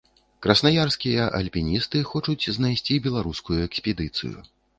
Краснаярскія альпіністы хочуць знайсці беларускую экспедыцыю.